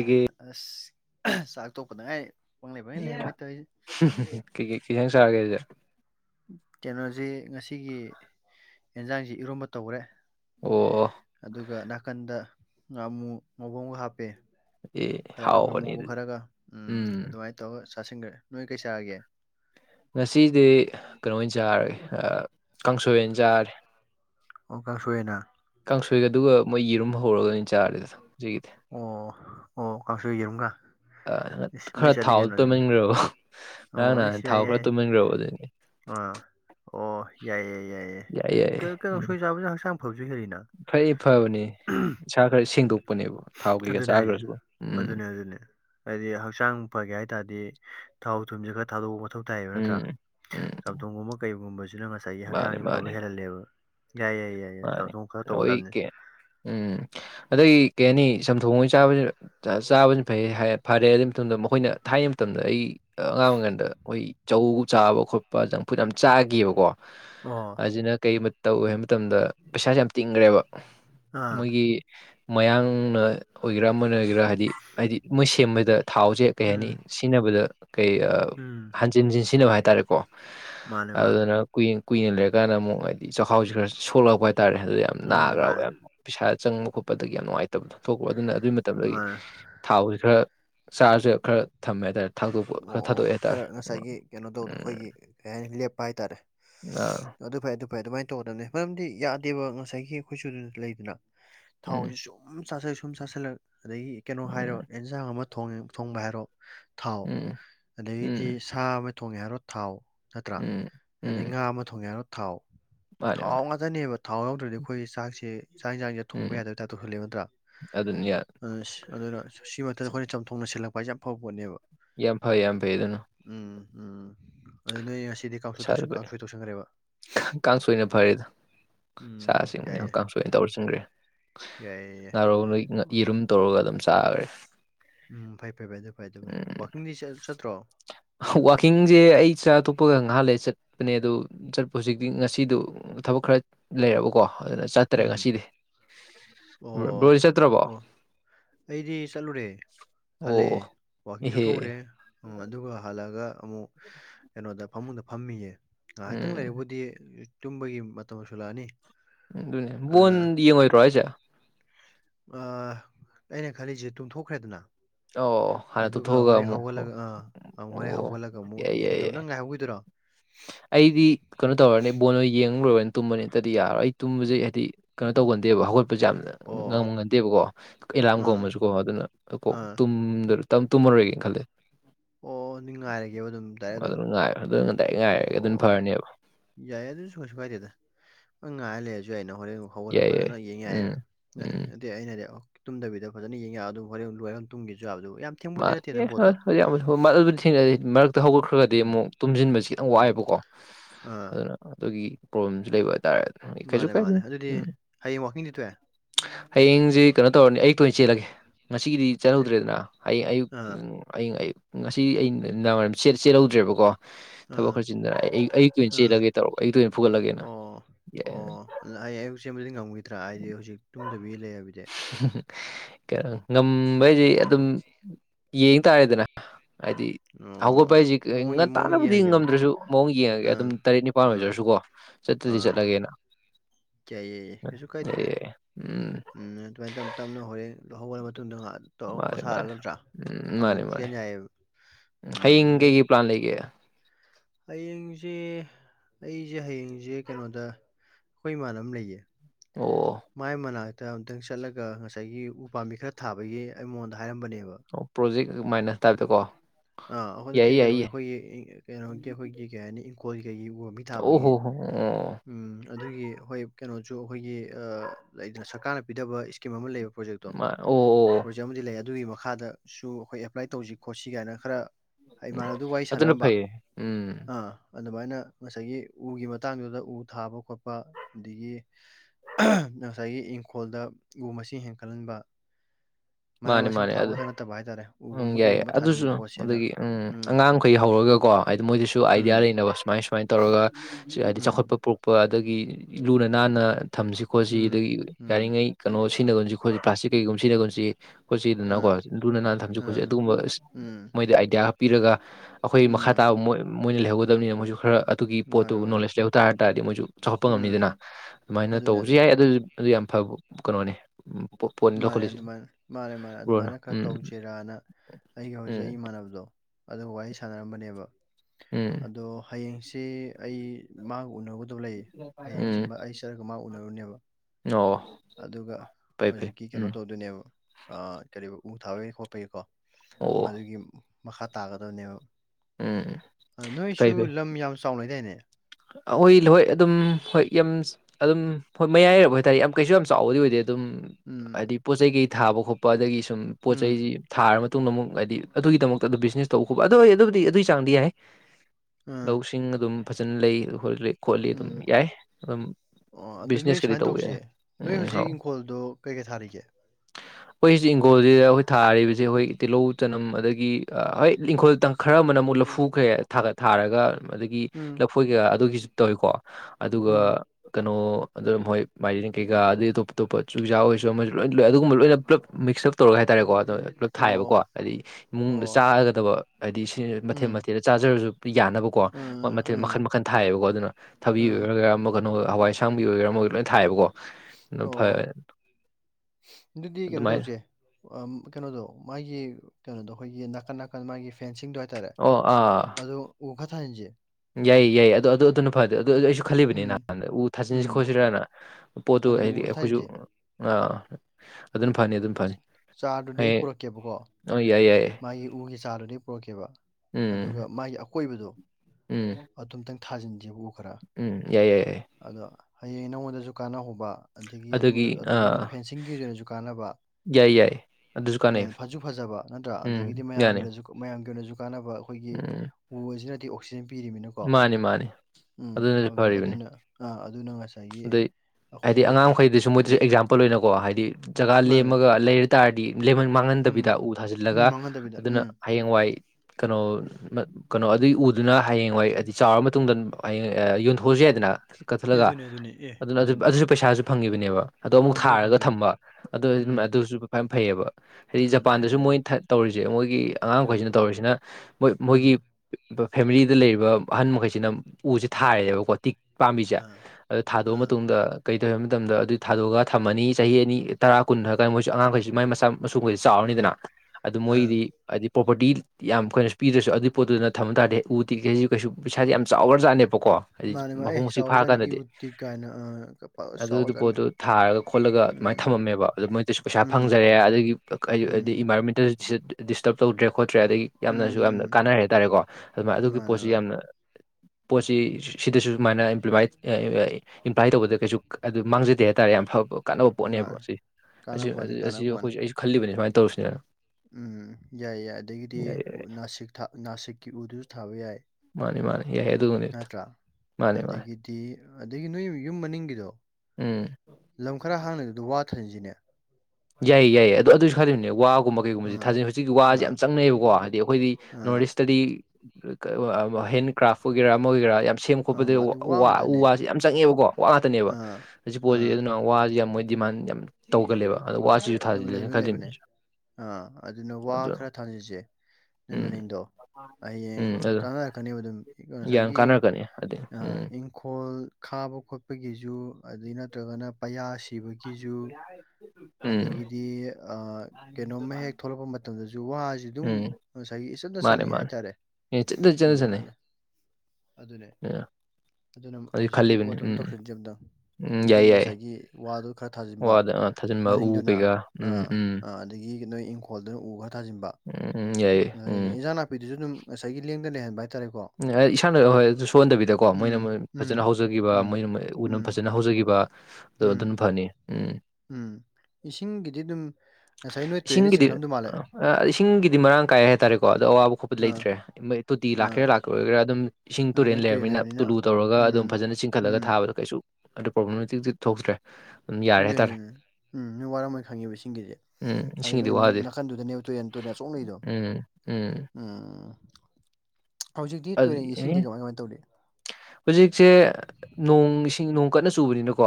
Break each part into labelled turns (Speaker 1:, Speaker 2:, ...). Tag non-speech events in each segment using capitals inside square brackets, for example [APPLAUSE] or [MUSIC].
Speaker 1: ꯆꯥꯛ ꯑꯁ ꯆꯥꯛ ꯇꯣꯛꯄꯗꯉꯥꯏ ꯄꯪꯪꯂꯩ ꯕꯔꯩ ꯂꯩꯔꯝꯃꯦ ꯇꯧꯏꯖꯦ
Speaker 2: ꯀꯩꯀꯩ ꯀꯩꯖꯥꯡ ꯆꯥꯔꯒꯦꯁꯦ
Speaker 1: ꯀꯩꯅꯣꯖꯤ ꯉꯁꯤꯒꯤ ꯑꯦꯟꯖꯥꯡꯖꯤ ꯏꯔꯣꯝꯕ ꯇꯧꯒꯔꯦ
Speaker 2: ꯑꯣ ꯑꯣ
Speaker 1: ꯑꯗꯨꯒ ꯅꯥꯀꯟꯗ ꯉꯥꯃꯨ ꯉꯧꯕ ꯑꯝꯒ ꯍꯥꯞꯄꯦ
Speaker 2: ꯑꯦ
Speaker 1: ꯈꯔ
Speaker 2: ꯍꯥꯎꯕꯅꯤ
Speaker 1: ꯉꯥꯝꯃꯨꯉꯧꯕ
Speaker 2: ꯑꯗꯨꯗꯤ
Speaker 1: ꯈꯔꯒ ꯎꯝ ꯑꯗꯨꯃꯥꯏ ꯇꯧꯔꯒ ꯆꯥꯁꯤꯟꯒꯔꯦ ꯅꯣꯏ ꯀꯩ ꯆꯥꯒꯦ
Speaker 2: ꯉꯁꯤꯗꯤ ꯀꯩꯅꯣ ꯑꯣꯏꯅ ꯆꯥꯔꯦ ꯑ ꯀꯥꯡꯁꯣꯏ ꯑꯣꯅꯆꯥꯔꯦ
Speaker 1: ꯑꯣ ꯀꯥꯡꯁꯣꯏ ꯑꯣꯏꯅ
Speaker 2: ꯀꯥꯡꯁꯣꯏꯒ ꯑꯗꯨꯒ ꯃꯣꯏ ꯌꯦꯔꯨꯝ ꯍꯧꯔꯒ ꯑꯣꯏꯅ ꯆꯥꯔꯦꯗꯨꯗꯣ
Speaker 1: ꯑꯣ ꯑꯣ ꯀꯥꯡꯁꯣꯏꯒ ꯌꯦꯔꯨꯝꯒ
Speaker 2: ꯑ
Speaker 1: ꯏꯁ ꯃꯩ
Speaker 2: ꯈꯔ
Speaker 1: ꯆꯠꯂꯤ
Speaker 2: ꯊꯥꯎ
Speaker 1: ꯀꯩꯅꯣ ꯑꯗꯨꯗꯤ
Speaker 2: ꯇꯣꯏꯃꯟꯒ꯭ꯔꯕ ꯉꯔꯥꯡ
Speaker 1: ꯑꯣ
Speaker 2: ꯅꯍꯥꯟ
Speaker 1: ꯏꯁ ꯌꯥꯏ
Speaker 2: ꯊꯥꯎ ꯈꯔ
Speaker 1: ꯌꯥꯏ
Speaker 2: ꯇꯣꯏꯃꯟꯒ꯭ꯔꯕ ꯑꯗꯨꯏꯅꯤ
Speaker 1: ꯑꯥ ꯑꯣ ꯌꯥꯏꯌꯦꯏ ꯌꯥꯏꯌꯦ
Speaker 2: ꯌꯥꯏ ꯌꯥꯏ
Speaker 1: ꯒꯀꯥꯡ
Speaker 2: ꯎꯝ
Speaker 1: ꯁꯣꯏꯆꯕꯅ ꯍꯛꯆꯥꯡ ꯐꯕꯖꯨ ꯍꯦꯜꯂꯤꯅ
Speaker 2: ꯐꯩ ꯐꯕꯅꯤ ꯏꯁꯥ ꯈꯔ ꯁꯦꯡꯗꯣꯛꯄꯅꯦꯕ ꯊꯥꯎ ꯀꯩꯀꯥ
Speaker 1: ꯑꯗꯨꯅꯦ ꯍꯥꯏꯁꯦ
Speaker 2: ꯆꯥꯒ꯭ꯔꯁꯨ ꯎꯝ
Speaker 1: ꯑꯗꯨꯅꯦ ꯑꯗꯨꯅꯦ ꯍꯥꯏꯗꯤ ꯍꯛꯆꯥꯡ ꯐꯒꯦ ꯍꯥꯏ ꯇꯥꯔꯗꯤ ꯊꯥꯎ ꯊꯨꯝꯖꯦ ꯈꯔ ꯊꯥꯗꯣꯛꯑꯧꯕꯅ ꯃꯊꯧ ꯇꯥꯏꯌꯦꯕ ꯅꯠꯇ꯭ꯔꯥ
Speaker 2: ꯎꯝ ꯎꯝ
Speaker 1: ꯆꯥꯝꯊꯣꯡꯒꯨꯝꯕ ꯀꯩꯒꯨꯝꯕꯁꯤꯅ ꯉꯁꯥꯏꯒꯤ
Speaker 2: ꯃꯥꯅꯦ
Speaker 1: ꯍꯛꯆꯥꯡꯁꯦ
Speaker 2: ꯃꯥꯅꯦ
Speaker 1: ꯐꯕ ꯍꯦꯜꯍꯜꯂꯦꯕ ꯌꯥꯏ ꯌꯥꯏꯌꯦ ꯌꯥꯏ ꯌꯥꯏ
Speaker 2: ꯃꯥꯅꯦ
Speaker 1: ꯆꯥꯝꯊꯣꯡ ꯈꯔ
Speaker 2: ꯅꯣꯏ
Speaker 1: ꯇꯧꯒꯗꯕꯅꯦ
Speaker 2: ꯀꯦ ꯎꯝ ꯑꯗꯒꯤ ꯀꯩ ꯍꯥꯏꯅꯤ ꯆꯝꯊꯣꯡ ꯑꯣꯏꯅ ꯆꯥꯕꯁꯤꯅ ꯆꯥꯕꯁꯤ ꯐꯩ ꯍꯥꯏꯔꯦ ꯐꯔꯦ ꯑꯗꯨ ꯃꯇꯝꯗ ꯃꯈꯣꯏꯅ ꯊꯥꯏꯅ ꯃꯇꯝꯗ ꯑꯩ ꯑꯉꯥꯡ ꯑꯣꯏꯉꯩꯗ ꯑꯩꯈꯣꯏ ꯆꯧ ꯆꯥꯕ ꯈꯣꯠꯄ ꯖꯪꯐꯨꯠ ꯌꯥꯝ ꯆꯥꯒꯤꯑꯕꯀꯣ
Speaker 1: ꯑꯣ
Speaker 2: ꯑꯖꯤꯅ ꯀꯩꯝꯃ ꯇꯧꯏ ꯍꯥꯏꯕ ꯃꯇꯝꯗ ꯄꯩꯁꯥꯥꯁꯦ ꯌꯥꯝ ꯇꯤꯡꯒ꯭ꯔꯦꯕ
Speaker 1: ꯑꯥ
Speaker 2: ꯃꯣꯏꯒꯤ ꯃꯌꯥꯡꯅ ꯑꯣꯏꯒꯦꯔꯥ ꯑꯃꯅ ꯑꯣꯏꯒꯦꯔꯥ ꯍꯥꯏꯗꯤ ꯍꯥꯏꯗꯤ ꯃꯣꯏ ꯁꯦꯝꯕꯗ ꯊꯥꯎꯖꯦ ꯀꯩ ꯍꯥꯏꯅꯤ
Speaker 1: ꯎꯝ
Speaker 2: ꯁꯤꯖꯤꯟꯅꯕꯗ ꯀꯩ ꯑ
Speaker 1: ꯎꯝ
Speaker 2: ꯍꯟꯖꯤꯟ ꯍꯟꯖꯤꯟ ꯁꯤꯖꯤꯟꯅꯕ ꯍꯥꯏꯇꯥꯔꯦꯀꯣ
Speaker 1: ꯃꯥꯅꯦ ꯃꯥꯅꯦ
Speaker 2: ꯑꯗꯨꯗꯨꯅ ꯀꯨꯏ ꯀꯨꯏꯅ ꯂꯩꯔꯀꯥꯟꯗ ꯑꯃꯨꯛ ꯍꯥꯏꯗꯤ ꯆꯥꯛꯍꯥꯎꯁꯤ ꯈꯔ ꯁꯣꯛꯂꯛꯄ ꯍꯥꯏꯇꯥꯔꯦ ꯑꯗꯨꯗ ꯌꯥꯝ
Speaker 1: ꯎꯝ
Speaker 2: ꯅꯥꯒ꯭ꯔꯕ
Speaker 1: ꯃꯥꯅꯦ
Speaker 2: ꯌꯥꯝ ꯄꯩꯁꯥ ꯆꯪꯕ ꯈꯣꯠꯄꯗꯒꯤ ꯌꯥꯝ ꯅꯨꯡꯉꯥꯏꯇꯕ ꯊꯣꯛꯄ ꯑꯗꯨꯅ ꯑꯗꯨꯏ ꯃꯇꯝꯗꯒꯤ
Speaker 1: ꯃꯥꯅꯦ
Speaker 2: ꯊꯥꯎꯁꯦ ꯈꯔ ꯆꯥꯔꯁꯨ ꯈꯔ ꯊꯝꯃꯦ ꯍꯥꯏꯇꯥꯔꯦ ꯊꯥꯗꯣꯛꯄ ꯈꯔ
Speaker 1: ꯑꯣ
Speaker 2: ꯊꯥꯗꯣꯛꯑꯦ ꯍꯥꯏꯇꯥꯔꯦ
Speaker 1: ꯈꯔ
Speaker 2: ꯎꯝ
Speaker 1: ꯉꯁꯥꯏꯒꯤ ꯀꯩꯅꯣ ꯇꯧꯕꯗꯣ ꯑꯩꯈꯣꯏꯒꯤ ꯀꯩ ꯍꯥꯏꯅꯤ ꯂꯦꯞꯄ ꯍꯥꯏꯇꯥꯔꯦ
Speaker 2: ꯑꯥ
Speaker 1: ꯑꯗꯨ ꯐꯩ ꯑꯗꯨ ꯐꯩ ꯑꯗꯨꯃꯥꯏꯅ ꯇꯧꯒꯗꯕꯅꯦ ꯃꯔꯝꯗꯤ ꯌꯥꯗꯦꯕ ꯉꯁꯥꯏꯒꯤ ꯑꯩꯈꯣꯏꯁꯨ ꯑꯗꯨ ꯂꯩꯗꯅ
Speaker 2: ꯎꯝ
Speaker 1: ꯊꯥꯎꯖꯤꯁꯨꯝ ꯁꯨꯝ ꯆꯥꯁꯤꯜꯂꯛ ꯁꯨꯝ ꯆꯥꯁꯤꯜꯂꯛ ꯑꯗꯒꯤ ꯀꯩꯅꯣ ꯍꯥꯏꯔꯣ
Speaker 2: ꯎꯝ
Speaker 1: ꯑꯦꯟꯖꯥꯡ ꯑꯃ ꯊꯣꯡꯉꯦ ꯊꯣꯡꯕ ꯍꯥꯏꯔꯣ ꯊꯥꯎ
Speaker 2: ꯎꯝ
Speaker 1: ꯑꯗꯒꯤꯗꯤ
Speaker 2: ꯎꯝ
Speaker 1: ꯁꯥ ꯑꯃ ꯊꯣꯡꯉꯦ ꯍꯥꯏꯔꯣ ꯊꯥꯎ ꯅꯠꯇ꯭ꯔꯥ
Speaker 2: ꯎꯝ
Speaker 1: ꯑꯗꯩ
Speaker 2: ꯎꯝ
Speaker 1: ꯉꯥ ꯑꯃ ꯊꯣꯡꯉꯦ ꯍꯥꯏꯔꯣ ꯊꯥꯎ
Speaker 2: ꯃꯥꯅꯦ
Speaker 1: ꯊꯥꯎ
Speaker 2: ꯃꯥꯅꯦ
Speaker 1: ꯉꯥꯛꯇꯅꯦꯕ ꯊꯥꯎ ꯌꯥꯎꯗ꯭ꯔꯗꯤ ꯑꯩꯈꯣꯏ ꯆꯥꯛꯁꯦ ꯆꯥꯛ ꯌꯦꯟꯁꯥꯡꯖꯦ
Speaker 2: ꯎꯝ
Speaker 1: ꯊꯣꯡꯕ ꯌꯥꯗꯕꯩ ꯇꯥꯏꯞ ꯇꯧꯁꯜꯂꯦ ꯅꯠꯇ꯭ꯔꯥ
Speaker 2: ꯑꯗꯨꯅꯤ
Speaker 1: ꯑꯗꯨꯅ ꯁꯤꯃꯛꯇꯗ ꯑꯩꯈꯣꯏꯅ ꯆꯝꯊꯣꯛꯅ ꯁꯤꯜꯂꯛꯄ ꯍꯥꯏꯁꯦ ꯌꯥꯝ ꯑꯐꯕ ꯄꯣꯠꯅꯦꯕ
Speaker 2: ꯌꯥꯝ ꯐꯩ ꯌꯥꯝ ꯐꯩ ꯑꯗꯨꯅ
Speaker 1: ꯎꯝ ꯎꯝ ꯑꯗꯨ ꯅꯣꯏ ꯉꯁꯤꯗꯤ ꯀꯥꯡꯁꯣꯏ
Speaker 2: ꯁꯥ
Speaker 1: ꯇꯧꯁꯟ ꯀꯥꯡꯁꯣꯏ ꯇꯧꯁꯟꯈ꯭ꯔꯦꯕ
Speaker 2: ꯀꯥꯡ ꯁꯣꯏꯅ ꯐꯔꯦꯗ ꯁꯥ
Speaker 1: ꯎꯝ ꯌꯥꯏꯌꯦ
Speaker 2: ꯆꯕꯅꯤꯅ ꯀꯥꯡꯁꯣꯏꯅ ꯇꯧꯔ ꯆꯟꯈ꯭ꯔꯦ
Speaker 1: ꯌꯥꯏꯌꯦ ꯌꯥꯏ
Speaker 2: ꯉꯥꯔꯣ ꯅꯣꯏ ꯌꯦꯔꯨꯝ ꯇꯧꯔꯒ ꯑꯗꯨꯝ ꯆꯥꯒ꯭ꯔꯦ
Speaker 1: ꯎꯝ ꯐꯩ ꯐꯩ ꯐꯔꯦ ꯑꯗꯨ ꯐꯔꯦ ꯑꯗꯨ ꯐꯩ ꯋꯥꯀꯤꯡꯗꯤ ꯆꯠꯇ꯭ꯔꯣ
Speaker 2: ꯋꯥꯋꯥꯛꯀꯤꯡꯁꯦ ꯑꯩ ꯏꯆꯥ ꯑ ꯇꯣꯞꯄꯒ ꯅꯍꯥꯟꯋꯥ ꯆꯠꯄꯅꯦ ꯑꯗꯨ ꯆꯠꯄ ꯍꯧꯖꯤꯛꯇꯤ ꯉꯁꯤꯗꯣ ꯊꯕꯛ ꯈꯔ ꯂꯩꯔꯕꯀꯣ ꯑꯗꯨꯅ ꯆꯠꯇ꯭ꯔꯦ
Speaker 1: ꯎꯝ
Speaker 2: ꯉꯁꯤꯗꯤ
Speaker 1: ꯑꯣ
Speaker 2: ꯕ꯭ꯔꯣꯏꯗꯤ ꯆꯠꯇ꯭ꯔꯕꯣ
Speaker 1: ꯑꯣ ꯑꯩꯗꯤ ꯆꯠꯂꯨꯔꯦ
Speaker 2: ꯑꯣ
Speaker 1: ꯍꯜꯂꯛꯑꯦ ꯋꯥꯛꯀꯤꯡ
Speaker 2: ꯏꯍꯦ
Speaker 1: ꯆꯠꯊꯣꯛꯎꯔꯦ ꯎꯝ ꯑꯗꯨꯒ ꯍꯜꯂꯒ ꯑꯃꯨꯛ ꯀꯩꯅꯣꯗ ꯐꯃꯨꯡꯗ ꯐꯝꯃꯤꯌꯦ ꯉꯥꯏꯍꯥꯛꯇꯪ
Speaker 2: ꯎꯝ
Speaker 1: ꯂꯩꯔꯛꯕꯨꯗꯤ ꯇꯨꯝꯕꯒꯤ ꯃꯇꯝ ꯑꯃꯁꯁꯨ ꯂꯥꯛꯑꯅꯤ
Speaker 2: ꯎ ꯑꯗꯨꯅꯦ ꯕꯣꯟ ꯌꯦꯡꯉꯣꯏꯗ꯭ꯔꯣ ꯍꯥꯏꯁꯦ
Speaker 1: ꯑꯩꯅ ꯈꯜꯂꯤꯁꯦ ꯇꯨꯝꯊꯣꯛꯈ꯭ꯔꯦꯗꯅ
Speaker 2: ꯑꯣ ꯍꯥꯟꯅ
Speaker 1: ꯑꯗꯨꯒ
Speaker 2: ꯇꯨꯝꯊꯣꯛꯑꯒ
Speaker 1: ꯍꯣꯔꯦꯟ
Speaker 2: ꯑꯃꯨꯛ
Speaker 1: ꯍꯧꯒꯠꯂꯒ ꯑꯥ ꯑꯃꯪ
Speaker 2: ꯑꯣ
Speaker 1: ꯍꯣꯔꯦꯟ ꯍꯧꯒꯠꯂꯒ ꯑꯃꯨꯛ
Speaker 2: ꯌꯥꯏ ꯌꯥꯏ
Speaker 1: ꯌꯦꯡꯒꯦ
Speaker 2: ꯌꯥꯏ
Speaker 1: ꯇꯕ ꯅꯪ ꯉꯥꯏꯍꯧꯤꯗꯣꯏꯔꯣ
Speaker 2: ꯑꯩꯗꯤ ꯀꯩꯅꯣ ꯇꯧꯔꯅꯤ ꯕꯣꯟꯣ ꯌꯦꯡ ꯂꯔꯅꯤ ꯇꯨꯝꯕꯅꯤꯠꯇꯗꯤ ꯌꯥꯔꯣꯏ ꯑꯩ ꯇꯨꯝꯕꯁꯦ ꯍꯥꯏꯗꯤ ꯀꯩꯅꯣ ꯇꯒꯟꯦꯕ ꯍꯧꯒꯠꯄ ꯁ ꯌꯥꯝꯅ
Speaker 1: ꯑꯣ
Speaker 2: ꯉꯥꯡꯕ ꯉꯗꯦꯕꯀꯣ
Speaker 1: ꯑꯥ
Speaker 2: ꯑꯦꯂꯥꯝꯒꯣꯝꯃꯁꯨꯀꯣ ꯑꯗꯨꯅ ꯀ
Speaker 1: ꯑꯥ
Speaker 2: ꯇꯨꯝꯗ ꯇꯝ ꯇꯨꯃꯔ‌ꯣꯏꯒꯦ ꯈꯜꯂꯦ
Speaker 1: ꯑꯣ ꯅꯤꯡ ꯉꯥꯏꯔꯒꯦꯕ ꯑꯗꯨꯝ ꯗꯥꯏꯔꯦꯛ ꯑꯗꯨꯝ
Speaker 2: ꯑꯗꯨꯅ ꯉꯥꯏꯔ ꯑꯗꯨ ꯉꯥꯏꯔꯒ ꯑꯗꯨꯝ
Speaker 1: ꯑꯣ
Speaker 2: ꯐꯔꯅꯦꯕ
Speaker 1: ꯌꯥꯏ ꯑꯗꯨꯁꯨꯁꯨ ꯀꯥꯏꯗꯦꯗ ꯅꯪ ꯉꯥꯏ ꯂꯩꯔꯁꯨ ꯌꯥꯏꯅ ꯍꯣꯔꯦꯟꯛ ꯍꯧꯒꯠꯂꯛ
Speaker 2: ꯌꯥꯏ ꯌꯥꯏ
Speaker 1: ꯄꯖꯅ
Speaker 2: ꯎꯝ
Speaker 1: ꯌꯦꯡꯉꯥꯏꯑꯕ
Speaker 2: ꯎꯝ
Speaker 1: ꯦ ꯑꯩꯅꯗꯤ ꯇꯨꯝꯗꯕꯤꯗ ꯐꯖ ꯌꯦꯡꯉꯛꯑꯣ ꯑꯗꯨꯝ ꯍꯣꯔꯦꯟ ꯂꯣꯏꯔꯦꯟꯒ ꯇꯨꯝꯈꯤꯁꯨ ꯍꯥꯏꯕꯗꯣ ꯌꯥꯝ ꯊꯦꯡꯕꯨꯗꯤ ꯅꯠꯇꯦꯅ ꯄꯣꯠꯇꯣ
Speaker 2: UNINTELLIGIBLE ꯈꯔꯒꯗꯤ
Speaker 1: ꯎꯝ
Speaker 2: ꯑꯃꯨꯛ ꯇꯨꯝꯁꯤꯟꯕꯁ ꯈꯤꯇꯪ
Speaker 1: ꯎꯝ
Speaker 2: ꯋꯥꯑꯦꯕꯀꯣ
Speaker 1: ꯑꯥ
Speaker 2: ꯑꯗꯨꯅ ꯑꯗꯨꯒꯤ ꯄ꯭ꯔꯣꯕ꯭ꯂꯦꯝꯁꯨ ꯂꯩꯕ ꯍꯥꯏꯇꯥꯔꯦ ꯀꯩꯁꯨ
Speaker 1: ꯃꯥꯅꯦ
Speaker 2: ꯀꯥꯏꯗꯦ
Speaker 1: ꯃꯥꯅꯦ ꯑꯗꯨꯗꯤ ꯍꯌꯦꯡ ꯋꯥꯋꯥꯛꯀꯤꯡꯗꯤꯠꯇꯋꯦ
Speaker 2: ꯍꯌꯦꯡꯁꯦ ꯀꯩꯅꯣ ꯇꯧꯔꯅꯤ ꯑꯌꯨꯛꯛꯇ ꯑꯣꯏꯅ ꯆꯦꯜꯂꯒꯦ ꯉꯁꯤꯒꯤꯗꯤ
Speaker 1: ꯑꯦ,
Speaker 2: ꯆꯠꯍꯧꯗ꯭ꯔꯦꯗꯅ ꯍꯌꯦꯡ ꯑꯌꯨꯛ
Speaker 1: ꯑꯥ
Speaker 2: ꯑꯩ ꯉꯁꯤ ꯑꯩ ꯋꯥꯏꯔꯝ ꯆꯦꯠꯍꯧꯗ꯭ꯔꯦꯕꯀꯣ ꯊꯕꯛ
Speaker 1: ꯑꯥ
Speaker 2: ꯈꯔ ꯆꯤꯟꯗꯅ ꯑꯩ ꯑꯌꯨꯛꯇ ꯑꯣꯏꯅ
Speaker 1: ꯑꯥ
Speaker 2: ꯆꯦꯜꯂꯒꯦ ꯇꯧꯔꯛ ꯑꯩꯌꯨꯛꯇ ꯑꯣꯏꯅ ꯐꯨꯒꯠꯂꯒꯦꯅ ꯌꯥꯏ ꯌꯥ
Speaker 1: ꯑꯗ ꯑꯩ ꯑꯌꯨꯛ ꯆꯦꯟꯕꯗꯤ ꯉꯝꯈꯤꯏꯗ꯭ꯔꯥ ꯍꯥꯏꯗꯤ ꯍꯧꯖꯤꯛ ꯇꯨꯝꯗꯕꯤ ꯂꯩ ꯍꯥꯏꯕꯤꯗꯤ
Speaker 2: ꯀꯩꯅꯣ ꯉꯝꯕ ꯍꯥꯏꯁꯤꯦ ꯑꯗꯨꯝ ꯌꯦꯡ ꯇꯥꯔꯦꯗꯅ ꯍꯥꯏꯗꯤ
Speaker 1: [UNINTELLIGIBLE]
Speaker 2: ꯍꯧꯒꯠꯄ ꯍꯥꯏꯁꯦ
Speaker 1: ꯃꯑꯣꯡ ꯌꯦ- ꯃꯑꯣꯡ
Speaker 2: ꯉꯥꯟꯇꯥꯅꯕꯨꯗꯤ
Speaker 1: ꯌꯦꯡꯉꯒꯦꯕ
Speaker 2: ꯉꯝꯗ꯭ꯔꯁꯨ ꯃꯑꯣꯡ ꯌꯦꯡꯉꯒꯦ ꯑꯗꯨꯝ
Speaker 1: ꯑꯥ
Speaker 2: ꯇꯔꯦꯠ ꯅꯤꯄꯥꯜ
Speaker 1: ꯑꯥ
Speaker 2: ꯑꯣꯏꯖꯔꯁꯨ ꯀꯣ ꯆꯠꯇꯗꯤ ꯆꯠꯂꯒꯦꯅ
Speaker 1: ꯀꯤꯌꯥ ꯌꯦ
Speaker 2: ꯑꯦ ꯎꯝ
Speaker 1: ꯎ ꯑꯗꯨꯃꯥꯏꯅ ꯇꯞ ꯇꯞꯅ ꯍꯣꯔꯦꯟ ꯂꯧꯍꯧꯕꯂ ꯃꯇꯨꯡꯗ ꯉꯍ ꯇꯧꯔ
Speaker 2: ꯃꯥꯅꯦ ꯃꯥꯅꯦ
Speaker 1: ꯄꯣꯊꯥꯔꯒꯗ꯭ꯔꯥ
Speaker 2: ꯎꯝ ꯃꯥꯅꯦ
Speaker 1: ꯑꯃꯨꯛ
Speaker 2: ꯃꯥꯅꯦ
Speaker 1: ꯀꯅꯏꯌꯦ
Speaker 2: ꯍꯌꯦꯡ ꯀꯩꯀꯩ ꯄ꯭ꯂꯥꯟ ꯂꯩꯒꯦ
Speaker 1: ꯍꯌꯦꯡꯁꯦ ꯑꯩꯁꯦ ꯍꯌꯦꯡꯁꯦ ꯀꯩꯅꯣꯗ ꯑꯩꯈꯣꯏ ꯏꯃꯥꯟꯅꯕ ꯑꯃ ꯂꯩꯌꯦ
Speaker 2: ꯑꯣ
Speaker 1: ꯃꯥꯏ ꯃꯅꯥꯛꯇ ꯑꯨꯛꯇꯪ ꯆꯠꯂꯒ ꯉꯁꯥꯏꯒꯤ ꯎ ꯄꯥꯝꯕꯤ ꯈꯔ ꯊꯥꯕꯒꯤ ꯑꯩꯉꯣꯟꯗ ꯍꯥꯏꯔꯝꯕꯅꯦꯕ
Speaker 2: ꯑꯣ ꯄ꯭ꯔꯣꯖꯦꯛ ꯑꯗꯨꯃꯥꯏꯅ ꯇꯥꯏꯕꯇꯀꯣ
Speaker 1: ꯑ ꯑꯩꯈꯣꯏ ꯅꯠꯇꯦ ꯀꯩꯅꯣꯒꯤ ꯑꯩꯈꯣꯏꯒꯤ ꯀꯩꯅꯣꯒꯤ ꯑꯩꯈꯣꯏꯒꯤ ꯀꯩ ꯍꯥꯏꯅꯤ ꯏꯪꯈꯣꯜ ꯀꯩꯒꯤ ꯎꯃꯤ
Speaker 2: ꯑꯣ
Speaker 1: ꯊꯥꯕꯒꯤ
Speaker 2: ꯍꯣ ꯍꯣ ꯑꯣ
Speaker 1: ꯎꯝ ꯑꯗꯨꯒꯤ ꯍꯣꯏ ꯀꯩꯅꯣꯁꯨ ꯑꯩꯈꯣꯏꯒꯤ ꯂꯩꯗꯅ ꯁꯔꯀꯥꯔꯅ ꯄꯤꯗꯕ ꯇꯤꯝ ꯑꯃ ꯂꯩꯕ ꯄ꯭ꯔꯣꯖꯦꯛꯇꯣ
Speaker 2: ꯑꯣ ꯑꯣ
Speaker 1: ꯄ꯭ꯔꯣꯖꯦꯛ ꯑꯃꯗꯤ ꯂꯩ ꯑꯗꯨꯒꯤ ꯃꯈꯥꯗꯁꯨ ꯑꯩꯈꯣꯏ ꯑꯦꯄ꯭ꯂꯥꯏ ꯇꯧꯁꯤ ꯈꯣꯠꯁꯤ ꯀꯥꯏꯅ ꯈꯔ ꯏꯃꯥꯟꯅꯕꯗꯨꯒ ꯋꯥꯔꯤ
Speaker 2: ꯑꯗꯨꯅ
Speaker 1: ꯁꯥꯟꯅꯔꯝꯕ
Speaker 2: ꯐꯩꯌꯦ ꯎꯝ
Speaker 1: ꯑꯥ ꯑꯗꯨꯃꯥꯏꯅ ꯉꯁꯥꯏꯒꯤ ꯎꯒꯤ ꯃꯇꯥꯡꯗꯨꯗ ꯎ ꯊꯥꯕ ꯈꯣꯠꯄ ꯑꯗꯒꯤ ꯉꯁꯥꯏꯒꯤ ꯏꯪꯈꯣꯜꯗ ꯎ ꯃꯁꯤꯡ ꯍꯦꯟꯒꯠꯍꯟꯕ ꯃꯅꯥ
Speaker 2: ꯃꯥꯅꯦ
Speaker 1: ꯃꯁꯤꯡ
Speaker 2: ꯃꯥꯅꯦ
Speaker 1: ꯊꯥꯕ
Speaker 2: ꯑꯗꯨ
Speaker 1: ꯈꯛꯇ ꯅꯠꯇꯕ ꯍꯥꯏ ꯇꯇꯥꯔꯦ
Speaker 2: ꯎꯝ
Speaker 1: ꯎꯒꯨꯝꯕ
Speaker 2: ꯌꯥꯏ
Speaker 1: ꯀꯩꯒꯨꯝꯕ
Speaker 2: ꯑꯗꯨꯁꯨ
Speaker 1: ꯊꯥꯖꯤꯟ
Speaker 2: ꯑꯗꯒꯤ ꯎ ꯑꯉꯥꯡꯈꯩ ꯍꯧꯔꯒꯀꯣ ꯍꯥꯏꯗꯤ ꯃꯣꯏꯗꯁꯨ ꯑꯥꯏꯗꯤꯌꯥ
Speaker 1: ꯎꯝ
Speaker 2: ꯂꯩꯅꯕ ꯁꯨꯃꯥꯏ ꯁꯨꯃꯥꯏꯅ ꯇꯧꯔꯒ ꯍꯥꯏꯗꯤ
Speaker 1: ꯎꯝ
Speaker 2: ꯆꯥꯎꯈꯠꯄ ꯄꯔꯛꯄ ꯑꯗꯒꯤ ꯂꯨꯅ ꯅꯥꯟꯅ ꯊꯝꯁꯤ ꯈꯣꯠꯁꯤ
Speaker 1: ꯎꯝ
Speaker 2: ꯑꯗꯒꯤ
Speaker 1: ꯎꯝ
Speaker 2: ꯌꯥꯔꯤꯉꯩ ꯀꯩꯅꯣ ꯁꯤꯖꯤꯟꯅꯒꯨꯟꯁꯤ ꯈꯣꯠꯁꯤ ꯄ꯭ꯂꯥꯁꯇꯤꯛ ꯀꯩꯒꯨꯝꯕ ꯁꯤꯖꯤꯟꯅꯒꯨꯟꯁꯤ ꯈꯣꯠꯆꯦꯗꯅꯀꯣ
Speaker 1: ꯑꯥ
Speaker 2: ꯂꯨꯅ ꯅꯥꯟꯅ ꯊꯝꯁꯨ ꯈꯣꯠꯆ
Speaker 1: ꯑꯥ
Speaker 2: ꯑꯗꯨꯒꯨꯝꯕ
Speaker 1: ꯎꯝ
Speaker 2: ꯃꯣꯏꯗ ꯑꯥꯏꯗꯤꯌꯥ ꯄꯤꯔꯒ ꯑꯩꯈꯣꯏ
Speaker 1: ꯎꯝ
Speaker 2: ꯃꯈꯥ ꯇꯥꯕ ꯃꯣꯏ ꯃꯣꯏꯅ ꯂꯩꯍꯧꯒꯗꯕꯅꯤꯅ ꯃꯣꯏꯁꯨ ꯈꯔ ꯑꯗꯨꯨꯒꯤ ꯄꯣꯠꯇꯨ
Speaker 1: ꯃꯥꯅꯦ ꯃꯥꯅꯦ
Speaker 2: ꯅꯣꯂꯦꯖ ꯂꯩꯍꯧ ꯇꯔ ꯇꯥꯔꯗꯤ ꯃꯣꯏꯁꯨ ꯆꯥꯎꯈꯠꯄ
Speaker 1: ꯎꯝ
Speaker 2: ꯉꯝꯅꯤꯗꯅ ꯑꯗꯨꯃꯥꯏꯅ
Speaker 1: ꯑꯗꯨꯅꯦ
Speaker 2: ꯇꯧꯕꯁꯨ
Speaker 1: ꯑꯗꯨꯅꯦ
Speaker 2: ꯌꯥꯏ ꯑꯗꯨ ꯑꯗꯨ ꯌꯥꯝ ꯐꯕ ꯀꯩꯅꯣꯅꯦ ꯄꫭꯠꯅꯤ
Speaker 1: ꯃꯥꯅꯦ
Speaker 2: ꯀꯧꯈꯠꯂꯤꯁꯤ
Speaker 1: ꯑꯗꯨꯃꯥꯏꯅ ꯃꯥꯅꯦ ꯃꯥꯅꯦ ꯑꯗꯨꯃꯥꯏꯅ ꯈꯔ ꯇꯧꯁꯤꯔꯅ ꯑꯩꯒ ꯍꯧꯖꯤꯛ
Speaker 2: ꯎꯝ
Speaker 1: ꯑꯩ ꯏꯃꯥꯟꯅꯕꯗꯣ ꯑꯗꯨꯒ ꯋꯥꯔꯤ ꯁꯥꯟꯅꯔꯝꯕꯅꯦꯕ
Speaker 2: ꯎꯝ
Speaker 1: ꯑꯗꯣ ꯍꯌꯦꯡꯁꯦ ꯑꯩ ꯃꯥꯒ ꯎꯅꯧꯒꯗ ꯑꯗꯨ ꯂꯩꯌꯦ
Speaker 2: ꯎꯝ
Speaker 1: ꯍꯌꯦꯡꯁꯤꯃ ꯑꯩ ꯆꯠꯂꯒ ꯃꯥ ꯎꯅꯔꯨꯅꯦꯕ
Speaker 2: ꯑꯣ
Speaker 1: ꯑꯗꯨꯒ
Speaker 2: ꯐꯩ ꯐꯩ
Speaker 1: ꯍꯧꯖꯤꯛꯀꯤ
Speaker 2: ꯎꯝ
Speaker 1: ꯀꯩꯅꯣ ꯇꯧꯗꯣꯏꯅꯦꯕ ꯀꯔꯤ ꯎ ꯊꯥꯕꯒꯤ ꯈꯣꯠꯄꯒꯤꯀꯣ
Speaker 2: ꯑꯣ
Speaker 1: ꯃꯗꯨꯒꯤ ꯃꯈꯥ ꯇꯥꯒꯗꯕꯅꯦꯕ
Speaker 2: ꯎꯝ
Speaker 1: ꯅꯣꯏꯁꯨ ꯂꯝ ꯌꯥꯝ ꯆꯥꯎ ꯂꯩꯗꯥꯏꯅꯦ
Speaker 2: ꯑꯩꯈꯣꯏ ꯍꯣꯏ ꯑꯗꯨꯝ ꯍꯣꯏ ꯌꯥꯝ ꯑꯗꯨꯝ ꯍꯣꯏ ꯃꯌꯥꯏꯔꯕ ꯍꯣꯏ ꯇꯩ ꯑꯝ ꯀꯩꯁꯨ ꯌꯥꯝ ꯆꯥꯎꯕꯗꯤ ꯑꯣꯏꯗꯦ ꯑꯗꯨꯝ
Speaker 1: ꯎꯝ
Speaker 2: ꯍꯥꯏꯗꯤ ꯄꯣꯠ ꯆꯩ ꯀꯩ ꯊꯥꯕ ꯈꯣꯠꯄ ꯑꯗꯒꯤ ꯁꯨꯝ ꯄꯣꯠ
Speaker 1: ꯎꯝ
Speaker 2: ꯆꯩꯁꯤ ꯊꯥꯔ ꯃꯇꯨꯡꯗ ꯑꯃꯨꯛ ꯍꯥꯏꯗꯤ ꯑꯗꯨꯒꯤꯗꯃꯛꯇ ꯕꯤꯖꯤꯅꯦꯁ ꯇꯧꯕ ꯈꯣꯠꯄ ꯑꯗꯨ ꯑꯣꯏ ꯑꯗꯨꯕꯨꯗꯤ ꯑꯗꯨꯒꯤ ꯆꯥꯡꯗꯤ ꯌꯥꯏ
Speaker 1: ꯎꯝ
Speaker 2: ꯂꯧꯁꯤꯡ ꯑꯗꯨꯝ ꯐꯖꯅ ꯂꯩ ꯈꯣꯠꯂꯤ ꯑꯗꯨꯝ
Speaker 1: ꯎꯝ
Speaker 2: ꯌꯥꯏ ꯑꯗꯨꯝ
Speaker 1: ꯑꯣ ꯑꯗꯨ ꯅꯣꯏ
Speaker 2: ꯕꯤꯖꯤꯅꯦꯁꯀꯗꯤ
Speaker 1: ꯁꯨꯃꯥꯏꯅ
Speaker 2: ꯇꯧꯕ
Speaker 1: ꯇꯧꯁꯦ
Speaker 2: ꯌꯥꯏ
Speaker 1: ꯅꯣꯏ
Speaker 2: ꯎꯝ
Speaker 1: ꯍꯧꯖꯤꯛ
Speaker 2: ꯍꯥꯎ
Speaker 1: ꯏꯪꯈꯣꯜꯗꯣ ꯀꯩ ꯀꯩ ꯊꯥꯔꯤꯒꯦ
Speaker 2: ꯑꯩꯈꯣꯏ ꯍꯧꯖꯤ ꯏꯤꯡꯈꯣꯜꯁꯤꯗ ꯑꯩꯈꯣꯏ ꯊꯥꯔꯤꯕꯁꯤ ꯑꯩꯈꯣꯏ ꯇꯤꯜꯍꯧ ꯆꯅꯝ ꯑꯗꯒꯤ ꯑ ꯍꯣꯏ ꯏꯪꯈꯣꯜ ꯇꯪ ꯈꯔ ꯑꯃꯅ ꯑꯃꯨꯛ ꯂꯐꯨꯈ꯭ꯔꯦ ꯊꯥꯒ ꯊꯥꯔꯒ ꯑꯗꯒꯤ
Speaker 1: ꯎꯝ
Speaker 2: ꯂꯐꯣꯏ ꯀꯌꯥꯥ ꯑꯗꯨꯒꯤꯁꯨ ꯇꯧꯋꯤꯀꯣ ꯑꯗꯨꯒ
Speaker 1: ꯎꯝ
Speaker 2: ꯀꯩꯅꯣ ꯑ ꯃꯣꯏ ꯃꯥꯏꯗꯤꯟ ꯀꯩꯀꯥ ꯑꯗꯩ ꯑꯇꯣꯞ ꯑꯇꯣꯞꯄ ꯆꯨꯖꯥꯛ ꯑꯣꯏꯔꯁꯨ ꯑꯃꯁꯨ ꯂꯣꯏ ꯂ ꯑꯗꯨꯒꯨꯝꯕ ꯂꯣꯏꯅ ꯄꯨꯂꯞ ꯃꯤꯛꯁ ꯑꯞ ꯇꯧꯔꯒ ꯍꯥꯏꯇꯥꯔꯦꯀꫭ ꯑꯗꯣ ꯄꯨꯂꯞ ꯊꯥꯏꯌꯦꯕꯀꯣ
Speaker 1: ꯑꯣ
Speaker 2: ꯍꯥꯏꯗꯤ ꯏꯃꯨꯡꯗ
Speaker 1: ꯑꯣ
Speaker 2: ꯆꯥꯒꯗꯕ ꯍꯥꯏꯗꯤ ꯁꯤ ꯃꯊꯦꯜ
Speaker 1: ꯎꯝ
Speaker 2: ꯃꯊꯦꯜꯗ ꯆꯥꯖꯔꯁꯨ ꯌꯥꯅꯕ ꯀꯣ
Speaker 1: ꯎꯝ
Speaker 2: ꯃꯊꯦꯜ
Speaker 1: ꯎꯝ
Speaker 2: ꯃꯈꯟ ꯃꯈꯟ ꯊꯥꯏꯌꯦꯕꯀꯣ ꯑꯗꯨꯅ ꯊꯕꯤ
Speaker 1: ꯎꯝ
Speaker 2: ꯑꯣꯏꯒꯦꯒꯦꯔꯥ ꯑꯃ ꯀꯩꯅꯣ ꯍꯋꯥꯏ ꯑꯁꯥꯡꯕꯤ ꯑꯣꯏꯒꯦꯔꯥ ꯑꯃꯒ ꯂꯣꯏꯅ ꯊꯥꯏꯌꯦꯕꯀꯣ ꯗꯨꯅ ꯐꯥꯏ
Speaker 1: ꯗꯨꯗꯤ ꯀꯩꯅꯣ ꯇꯧꯁꯦ ꯀꯩꯅꯣꯗꯣ ꯃꯥꯒꯤ ꯀꯩꯅꯣꯗꯣ ꯑꯩꯈꯣꯏꯒꯤ ꯅꯥꯀꯟ ꯅꯥꯀꯟ ꯃꯥꯒꯤ ꯐꯦꯟꯁꯤꯡꯗꯣ ꯍꯥꯏꯇꯥꯔꯦ
Speaker 2: ꯑꯣ ꯑꯥ
Speaker 1: ꯑꯗꯣ ꯎ ꯈꯔ ꯊꯥꯖꯤꯟꯁꯦ
Speaker 2: ꯌꯥꯏꯌꯦ ꯌꯥꯏꯌꯦ ꯑꯗꯣ ꯑꯗꯨ ꯑꯗꯨꯅ ꯐꯗꯦ ꯑꯗꯨ ꯑꯩꯁꯨ ꯈꯜꯂꯤꯕꯅꯤ
Speaker 1: ꯎꯝ
Speaker 2: ꯅꯍꯥꯟꯗ ꯎ ꯊꯥꯖꯤꯟꯁꯤ
Speaker 1: ꯎꯝ
Speaker 2: ꯈꯣꯠꯁꯤꯔꯅ ꯄꯣꯠꯇꯨ
Speaker 1: ꯑꯗꯨꯅꯤ ꯎ
Speaker 2: ꯍꯥꯏꯗꯤ
Speaker 1: ꯈꯔ
Speaker 2: ꯑꯩꯈꯣꯏꯁꯨ
Speaker 1: ꯊꯥꯖꯤꯟꯁꯦ
Speaker 2: ꯑꯥ ꯑꯗꯨꯝ ꯐꯅꯤ ꯑꯗꯨꯝ ꯐꯅꯤ
Speaker 1: ꯆꯥꯔꯗꯨꯗꯤ ꯑꯩ
Speaker 2: ꯍꯌꯦ
Speaker 1: ꯄꯨꯔꯛꯀꯦꯕꯀꯣ
Speaker 2: ꯑ ꯌꯥꯏ ꯌꯥꯏꯌꯦ
Speaker 1: ꯃꯥꯒꯤ ꯎꯒꯤ ꯆꯥꫪꯗꯨꯗꯤ ꯄꯨꯔꯛꯀꯕ ꯑꯗꯨꯒ
Speaker 2: ꯎꯝ
Speaker 1: ꯃꯥꯒꯤ ꯑꯀꯣꯏꯕꯗꯣ
Speaker 2: ꯎꯝ
Speaker 1: ꯑꯗꯨꯝꯇꯪ ꯊꯥꯖꯤꯟꯁꯦꯕ ꯑꯣ
Speaker 2: ꯎꯝ ꯌꯥꯏ ꯌꯥꯏ ꯌꯥꯏ
Speaker 1: ꯑꯗꯣ ꯍꯌꯦꯡ ꯅꯉꯣꯟꯗꯁꯨ ꯀꯥꯟꯅꯍꯧꯕ ꯑꯗꯒꯤ ꯑꯗꯨ
Speaker 2: ꯑꯗꯨꯒꯤ
Speaker 1: ꯃꯊꯛ ꯑꯗꯒꯤ
Speaker 2: ꯑꯥ
Speaker 1: ꯑꯃꯨꯛ ꯐꯦꯟꯁꯤꯡꯒꯤ ꯑꯣꯏꯅ ꯑꯣꯏꯅꯁꯨ ꯀꯥꯟꯅꯕ
Speaker 2: ꯌꯥꯏ ꯌꯥꯏ ꯑꯗꯨꯁꯨ ꯀꯥꯟꯅꯩ
Speaker 1: ꯐꯁꯨ ꯐꯖꯕ ꯅꯠꯇ꯭ꯔꯥ ꯑꯗꯒꯤꯗꯤ
Speaker 2: ꯎꯝ
Speaker 1: ꯃꯌꯥꯝꯒꯤ
Speaker 2: ꯌꯥꯅꯤ
Speaker 1: ꯑꯣꯏꯅꯁꯨ ꯃꯌꯥꯝꯒꯤ ꯑꯣꯏꯅꯁꯨ ꯀꯥꯟꯅꯕ ꯑꯩꯈꯣꯏꯒꯤ
Speaker 2: ꯎꯝ
Speaker 1: ꯎꯕꯁꯤꯅꯗꯤ ꯑꯣꯛꯁꯤꯖꯦꯟ ꯄꯤꯔꯤꯃꯤꯅꯀꯣ
Speaker 2: ꯃꯥꯅꯤ ꯃꯥꯅꯤ
Speaker 1: ꯎꯝ
Speaker 2: ꯑꯗꯨꯅꯁꯨ
Speaker 1: ꯑꯗꯨ
Speaker 2: ꯐꯔꯤꯕꯅꯤ
Speaker 1: ꯑꯗꯨꯅ ꯑꯥ ꯑꯗꯨꯅ ꯉꯁꯥꯏꯒꯤ
Speaker 2: ꯑꯗꯨꯗꯩ ꯍꯥꯏꯗꯤ
Speaker 1: ꯑꯩꯈꯣꯏꯒꯤ
Speaker 2: ꯑꯉꯥꯡꯈꯩꯗꯁꯨ ꯃꯣꯏꯗꯁꯨ
Speaker 1: ꯎꯝ
Speaker 2: ꯑꯦꯛꯖꯥꯝ ꯄꯄ ꯂꯣꯏꯅꯀꯣ ꯍꯥꯏꯗꯤ ꯖꯒꯥ
Speaker 1: ꯃꯥꯅꯦ
Speaker 2: ꯂꯦꯝꯃꯒ ꯂꯩꯔ ꯇꯥꯔꯗꯤꯃ ꯃꯥꯡꯍꯟꯗꯕꯤꯗ
Speaker 1: ꯎꯝ
Speaker 2: ꯎ
Speaker 1: ꯎꯝ
Speaker 2: ꯊꯥꯖꯤꯜꯂꯒ
Speaker 1: ꯃꯥꯡꯍꯟꯗꯕꯤꯗ
Speaker 2: ꯑꯗꯨꯅ
Speaker 1: ꯎꯝ
Speaker 2: ꯍꯌꯦꯡ ꯋꯥꯏ ꯀꯅꯣ ꯅ ꯀꯅꯣ ꯑꯗꯨꯒꯤ ꯎꯗꯨꯅ ꯍꯌꯦꯡꯋꯥꯏ ꯑꯗꯤ ꯆꯥꯎ
Speaker 1: ꯑꯗꯨꯅꯦ ꯑꯗꯨꯅꯦ ꯑꯦ ꯑꯗꯨꯅꯦ
Speaker 2: [UNINTELLIGIBLE] ꯄꯩꯁꯥꯁꯨ ꯐꯪꯉꯤꯕꯅꯦꯕ ꯑꯗꯣ ꯑꯃꯨꯛ
Speaker 1: ꯐꯪꯗꯣꯏꯅꯦ
Speaker 2: ꯊꯥꯔꯒ
Speaker 1: ꯐꯪꯗꯣꯏꯅꯦ
Speaker 2: ꯊꯝꯕ ꯑꯗꯨ
Speaker 1: ꯎꯝ
Speaker 2: ꯑꯗꯨꯁꯨ ꯐꯩꯌꯦꯕ ꯍꯥꯏꯗꯤ
Speaker 1: ꯎꯝ ꯑꯗꯨꯅꯦ
Speaker 2: ꯖꯄꯥꯟꯗꯁꯨ
Speaker 1: ꯑꯗꯨꯅꯦ
Speaker 2: ꯃꯣꯏ ꯇꯧꯔꯤꯁꯦ ꯃꯣꯏꯒꯤ
Speaker 1: ꯎꯝ
Speaker 2: ꯑꯉꯥꯡꯈꯩꯁꯤꯅ ꯇꯧꯔꯤꯁꯤꯅ ꯃꯣꯏ ꯃꯣꯏꯒꯤ
Speaker 1: ꯎꯝ
Speaker 2: ꯐꯦꯃꯤꯂꯤꯗ ꯂꯩꯔꯤꯕ ꯑꯍꯟ ꯃꯈꯩꯁꯤꯅ ꯎꯁꯦ ꯊꯥꯔꯦꯕꯀꯣ ꯇꯤꯛ ꯄꯥꯝꯕꯤꯁꯦ
Speaker 1: ꯑꯥ
Speaker 2: ꯑꯗꯣ ꯊꯥꯗꯣꯛꯑ
Speaker 1: ꯑꯥ
Speaker 2: ꯃꯇꯨꯡꯗ ꯀꯩꯗꯧ ꯍꯥꯏ ꯃꯇꯝꯗ ꯑꯗꯨ ꯊꯥꯗꯣꯛꯑꯒ ꯊꯝꯃꯅꯤ ꯆꯍꯤ ꯑꯅꯤ ꯇꯔꯥ ꯀꯨꯟ ꯍꯥꯏꯔꯀꯥꯟꯗ ꯃꯣꯏꯁꯨ ꯑꯉꯥꯡꯈꯩꯁꯨ ꯃꯥꯏ ꯃꯁꯥ ꯃꯁꯨꯡꯈꯣꯏꯗꯤ
Speaker 1: ꯑꯥ
Speaker 2: ꯆꯥꯎꯔꯅꯤꯗꯅ ꯑꯗꯨ
Speaker 1: ꯑꯥ
Speaker 2: ꯃꯣꯏꯗꯤ ꯍꯥꯏꯗꯤ ꯄ꯭ꯔꯣꯄꯔꯇꯤ ꯌꯥꯝ ꯀꯈꯣꯏꯅꯁꯨ ꯄꯤꯗ꯭ꯔꯁꯨ ꯑꯗꯨꯒꯤ ꯄꯣꯠꯇꯨꯗꯅ ꯊꯝꯕ ꯇꯥꯔꯗꯤ ꯎ ꯇꯤ ꯀꯩꯁꯨ ꯀꯩꯁꯨ ꯄꯩꯁꯥꯗꯤ ꯌꯥꯝ ꯆꯥꯎꯔꯖꯥꯠꯅꯦꯕ ꯀꯣ ꯍꯥꯏꯗꯤ
Speaker 1: ꯃꯥꯅꯦ ꯃꯥ
Speaker 2: ꯃꯨꯡ
Speaker 1: ꯑꯩ
Speaker 2: ꯑꯁꯤꯁꯤꯛ
Speaker 1: ꯆꯥꯎꯔꯖꯥꯠꯅꯤ
Speaker 2: ꯐꯥꯔꯀꯥꯟꯗꯗꯤ
Speaker 1: ꯏꯍꯨꯠꯇꯤ ꯀꯥꯏꯅ ꯑꯥ
Speaker 2: ꯑꯗꯨꯗꯨ
Speaker 1: ꯆꯥꯎꯔꯖꯥꯠꯅꯤ
Speaker 2: ꯄꯣꯠꯇꯨ ꯊꯥꯔꯒ ꯈꯣꯠꯂꯒ ꯑꯗꯨꯃꯥꯏꯅ
Speaker 1: ꯎꯝ
Speaker 2: ꯊꯝꯃꯝꯃꯦꯕ ꯑꯗꯨꯗꯣ ꯃꯣꯏꯗꯁꯨ ꯄꯩꯁꯥ
Speaker 1: ꯎꯝ
Speaker 2: ꯐꯪꯖꯔꯦ ꯑꯗꯒꯤ ꯍꯥꯏꯗꯤ
Speaker 1: ꯎꯝ
Speaker 2: ꯏꯟꯚꯥꯏꯔꯣꯟꯃꯦꯟꯇꯁꯨ ꯗꯤꯁꯇꯔꯕ ꯇꯧꯗ꯭ꯔꯦ ꯈꯣꯠꯇ꯭ꯔꯦ ꯑꯗꯒꯤ ꯌꯥꯝꯅꯁꯨ
Speaker 1: ꯎꯝ
Speaker 2: ꯌꯥꯝꯅ
Speaker 1: ꯎꯝ
Speaker 2: ꯀꯥꯟꯅꯔꯦ ꯍꯥꯏꯇꯥꯔꯦꯀꯣ ꯑꯗꯨꯃꯥꯏꯅ ꯑꯗꯨꯒꯤ
Speaker 1: ꯃꯥꯅꯦ
Speaker 2: ꯄꯣꯠꯁꯤ
Speaker 1: ꯃꯥꯅꯦ
Speaker 2: ꯌꯥꯝꯅ ꯄꯣꯠꯁꯤ ꯁꯤꯗꯁꯨ ꯁꯨꯃꯥꯏꯅ ꯏꯝꯄ꯭ꯂꯤꯃꯥꯏꯠ ꯏꯝꯄ꯭ꯂꯥꯏ ꯇꯧꯕꯗ ꯀꯩꯁꯨ ꯑꯗꯨ ꯃꯥꯡꯖꯗꯦ ꯍꯥꯏ ꯇꯇꯥꯔꯦ ꯌꯥꯝ ꯐꯕ ꯀꯥꯟꯅꯕ ꯄꯣꯠꯅꯦꯕ
Speaker 1: ꯃꯥꯅꯦ
Speaker 2: ꯑꯁꯤ ꯑꯁꯤ
Speaker 1: ꯀꯥꯟꯅꯄꯣꯠꯅꯤ
Speaker 2: ꯑꯁꯤ
Speaker 1: ꯀꯥꯟꯅꯄꯣꯠꯅꯤ
Speaker 2: ꯑꯩꯈꯣꯏ ꯑꯩꯁꯨ ꯈꯜꯂꯤꯕꯅꯦ ꯁꯨꯃꯥꯏꯅ ꯇꯧꯔꯁꯤꯅꯦꯅ
Speaker 1: ꯎꯝ ꯌꯥꯏ ꯌꯥꯏ ꯑꯗꯒꯤꯗꯤ
Speaker 2: ꯌꯥꯏ-
Speaker 1: ꯎ ꯅꯥꯁꯤꯛ ꯅꯥꯁꯤꯛꯀꯤ ꯎꯗꯨꯁꯨ ꯊꯥꯕ ꯌꯥꯏ
Speaker 2: ꯃꯥꯅꯤ ꯃꯥꯅꯤ ꯌꯥꯏꯦ ꯑꯗꯨꯅꯤ ꯃꯥꯅꯦ ꯃꯥꯅꯦ
Speaker 1: ꯑꯗꯨꯗꯤ ꯑꯗꯒꯤ ꯅꯣꯏ ꯌꯨꯝ ꯃꯅꯤꯡꯒꯤꯗꯣ
Speaker 2: ꯎꯝ
Speaker 1: ꯂꯝ ꯈꯔ ꯍꯥꯡꯅꯗꯗ ꯋꯥꯊꯟꯁꯤꯅꯦ
Speaker 2: ꯌꯥꯏꯌꯦ ꯌꯥꯏꯌꯦ ꯑꯗꯣ ꯑꯗꯨ ꯑꯣꯏꯁꯨ ꯈꯥꯗꯕꯅꯦ ꯋꯥꯒꯨꯝꯕ ꯀꯩꯒꯨꯝꯁꯦ
Speaker 1: ꯑꯥ
Speaker 2: ꯊꯥꯖꯩ ꯍꯧꯖꯤꯛꯤ ꯋꯥꯁꯦ
Speaker 1: ꯑꯥ
Speaker 2: ꯌꯥꯝ ꯆꯪꯅꯩꯌꯦꯕꯀꯣ ꯍꯥꯏꯗꯤ ꯑꯩꯈꯣꯏꯗꯤ
Speaker 1: ꯑꯥ
Speaker 2: ꯅꯣꯔꯠ ꯏꯁꯇꯗꯤ ꯍꯦꯟꯦꯟ ꯀ꯭ꯔꯥꯐ ꯑꯣꯏꯒꯦꯔꯥ ꯑꯃ ꯑꯣꯏꯒꯦꯔꯥ ꯌꯥꯝ ꯁꯦꯝ
Speaker 1: ꯑꯥ
Speaker 2: ꯈꯣꯠꯄꯗ
Speaker 1: ꯑꯗꯨ ꯋꯥ
Speaker 2: ꯎ
Speaker 1: ꯉꯥꯛꯇꯅꯦ
Speaker 2: ꯋꯥꯁꯤ ꯌꯥꯝ ꯆꯪꯉꯦꯕꯀꯣ ꯋꯥ ꯉꯥꯛꯇꯅꯦꯕ
Speaker 1: ꯑꯥ
Speaker 2: ꯑꯁꯤ ꯄꯣꯠꯁꯤ
Speaker 1: ꯑꯥ
Speaker 2: ꯑꯗꯨꯅ ꯋꯥꯁꯦ ꯌꯥꯝ ꯃꯣꯏ ꯗꯤꯃꯥꯟ ꯌꯥꯝ ꯇꯧꯒꯜꯂꯦꯕ ꯑ
Speaker 1: ꯑꯗꯨꯝ ꯂꯩꯕ ꯂꯩꯕꯅꯦ ꯑꯥ ꯑꯗꯨꯅ ꯋꯥ
Speaker 2: ꯑꯗꯨ
Speaker 1: ꯈꯔ ꯊꯥꯖꯤꯁꯦ ꯅꯣꯏ
Speaker 2: ꯎꯝ
Speaker 1: ꯃꯅꯤꯡꯗꯣ ꯍꯌꯦꯡ
Speaker 2: ꯎꯝ ꯑꯗꯣ
Speaker 1: ꯀꯥꯟꯅꯔꯛꯀꯅꯦꯕ ꯑꯗꯨꯝ
Speaker 2: ꯒ꯭ꯌꯥꯟ
Speaker 1: ꯉꯁꯥꯏꯒꯤ
Speaker 2: ꯀꯥꯟꯅꯔꯛꯀꯅꯤ ꯍꯥꯏꯗꯤ ꯎꯝ
Speaker 1: ꯪ ꯈꯣꯜ ꯈꯥꯕ ꯈꯣꯠꯄꯒꯤꯖꯨ ꯑꯗꯩ ꯅꯠꯇ꯭ꯔꯒꯅ ꯄꯌꯥ ꯁꯤꯕꯒꯤꯖꯨ
Speaker 2: ꯎꯝ
Speaker 1: ꯑꯗꯒꯤꯗꯤ ꯀꯩꯅꯣꯝꯃ ꯍꯦꯛ ꯊꯣꯛꯂꯛꯄ ꯃꯇꯝꯗꯁꯨ ꯋꯥꯁꯤ ꯑꯗꯨꯝ
Speaker 2: ꯎꯝ
Speaker 1: ꯉꯁꯥꯏꯒꯤ ꯏꯆꯟꯅ
Speaker 2: ꯃꯥꯅꯦ
Speaker 1: ꯆꯅꯤ
Speaker 2: ꯃꯥꯅꯦ
Speaker 1: ꯍꯥꯏꯇꯥꯔꯦ
Speaker 2: ꯑꯦ ꯆꯠꯇ
Speaker 1: ꯎꯝ ꯑ ꯑꯗꯨꯅꯦ
Speaker 2: ꯑꯣ
Speaker 1: ꯑꯗꯨꯅ ꯍꯧꯖꯤꯛꯀꯤ ꯄꯣꯠꯇꯣ ꯑꯗꯨꯝ ꯇꯧꯁꯤꯟꯁꯦ ꯑꯝꯇꯪ
Speaker 2: ꯎꯝ
Speaker 1: ꯑꯝꯛꯇꯪ ꯉꯁꯥꯏꯒꯤ ꯋꯥꯗꯣ ꯈꯔ ꯊꯥꯖꯤꯟꯕ
Speaker 2: ꯖ
Speaker 1: ꯃꯅꯤꯡꯗꯨꯅ ꯑꯥ ꯑꯥ ꯑꯗꯒꯤ ꯅꯣꯏ ꯏꯪꯈꯣꯜꯗꯨꯅ ꯎ ꯈ ꯊꯥꯁꯤꯟꯕ
Speaker 2: ꯎꯝ ꯌꯥꯏ
Speaker 1: ꯑꯗꯨꯗꯤ ꯏꯟꯖꯥꯡ ꯅꯥꯄꯤꯗꯨꯁꯨ ꯑꯗꯨꯝ ꯉꯁꯥꯏꯒꯤ ꯂꯦꯡꯗ ꯂꯩꯍꯟꯕ ꯍꯥꯏꯇꯥꯔꯦꯀꯣ
Speaker 2: ꯑꯩ ꯏꯁꯥꯅ ꯍꯣꯏ ꯁꯣꯛꯍꯟꯗꯕꯤꯗꯀꯣ ꯃꯣꯏꯅ
Speaker 1: ꯎꯝ
Speaker 2: ꯐꯖꯅ
Speaker 1: ꯎꯝ
Speaker 2: ꯍꯧꯖꯒꯤꯈꯤꯕ
Speaker 1: ꯎꯝ
Speaker 2: ꯃꯣꯏꯅ ꯎꯅ
Speaker 1: ꯎꯝ
Speaker 2: ꯐꯖꯅ ꯍꯧꯖꯈꯤꯕ ꯑꯗꯣ
Speaker 1: ꯎꯝ
Speaker 2: ꯑꯗꯨꯝ ꯐꯅꯤ ꯎꯝ
Speaker 1: ꯎꯝ ꯏꯁꯤꯡꯒꯤꯗꯤ ꯑꯗꯨꯝ ꯉꯁꯥꯏ ꯅꯣꯏ ꯇꯨꯔꯦꯟꯗ
Speaker 2: ꯏꯁꯤꯡꯒꯤꯗꯤ
Speaker 1: ꯆꯤꯡꯈ꯭ꯔꯝꯗ ꯃꯥꯜꯂꯦ
Speaker 2: ꯑ ꯏꯁꯤꯡꯒꯤꯗꯤ ꯃꯔꯥꯡ ꯀꯥꯏ ꯍꯥꯏꯇꯥꯔꯦꯀꯣ ꯑꯗꯣ ꯑꯋꯥꯕ ꯈꯣꯠꯄ
Speaker 1: ꯑꯥ
Speaker 2: ꯂꯩꯇ꯭ꯔꯦ ꯇꯣꯇꯤ
Speaker 1: ꯑꯥ
Speaker 2: ꯂꯥꯛꯀꯦꯔꯥꯥꯛꯀꯦ ꯑꯣꯏꯒꯦꯔꯥ ꯑꯗꯨꯝ ꯏꯁꯤꯡ
Speaker 1: ꯑꯥ
Speaker 2: ꯇꯨꯔꯦꯟ
Speaker 1: ꯅꯣꯏ ꯇꯨꯔꯦꯜ
Speaker 2: ꯂꯩꯔꯕꯅꯤꯅ
Speaker 1: ꯂꯩꯕꯅꯤꯅ
Speaker 2: ꯇꯨꯂꯨ ꯇꯧꯔꯒ ꯑꯗꯨꯝ
Speaker 1: ꯎꯝ
Speaker 2: ꯐꯖꯅ ꯆꯤꯡꯈꯠꯂꯒ ꯊꯥꯕꯗ ꯀꯩꯁꯨ ꯑꯗꯨ ꯄ꯭ꯔꯣꯕ꯭ꯂꯦꯝꯃꯦꯇꯤꯛꯇ
Speaker 1: ꯎ ꯎꯝ ꯅ ꯋꯥꯔꯝꯃ ꯈꯪꯉꯤꯕ ꯏꯁꯤꯡꯒꯤꯁꯦ
Speaker 2: ꯎꯝ
Speaker 1: ꯍꯥꯏ
Speaker 2: ꯏꯁꯤꯡꯒꯤꯗꯤ
Speaker 1: ꯅꯣꯏ ꯃ
Speaker 2: ꯋꯥꯗꯦ
Speaker 1: ꯅꯥꯀꯟꯗꯨꯗ ꯅꯦꯞꯇꯣꯏꯦꯅ ꯇꯣꯏꯔꯦ ꯁꯣꯛꯂꯤꯩꯗꯣ
Speaker 2: ꯎꯝ ꯎꯝ
Speaker 1: ꯎ ꯍꯧꯖꯤꯛꯇꯤ
Speaker 2: ꯑꯗꯨ
Speaker 1: ꯇꯨꯔꯦꯟꯒꯤ
Speaker 2: ꯑꯦ
Speaker 1: ꯏꯁꯤꯡꯗꯤ ꯀꯃꯥꯏ ꯀꯃꯥꯏ ꯇꯧꯔꯤ
Speaker 2: ꯍꯧꯖꯤꯛꯁꯦ ꯅꯣꯡ ꯏꯁꯤꯡ ꯅꯣꯡ ꯀꯟꯅ ꯆꯨꯕꯅꯤꯅꯀꯣ